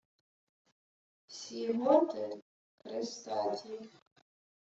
— Всі готи — хрестаті.